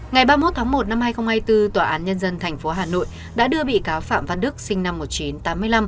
ngày ba mươi một tháng một năm hai nghìn hai mươi bốn tòa án nhân dân tp hà nội đã đưa bị cáo phạm văn đức sinh năm một nghìn chín trăm tám mươi năm